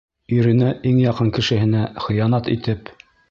Иренә, иң яҡын кешеһенә, хыянат итеп...